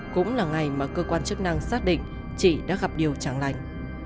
cũng là ngày mà cơ quan chức năng xác định chị đã gặp điều chẳng lành